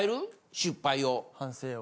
失敗を。